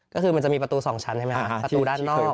ก็คือมันจะมีประตู๒ชั้นใช่ไหมครับประตูด้านนอก